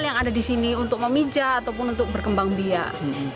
yang ada di sini untuk memija ataupun untuk berkembang biak